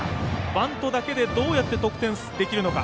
バントだけでどうやって得点できるのか。